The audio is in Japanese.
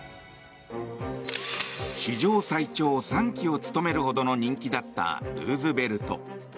史上最長３期を務めるほどの人気だったルーズベルト。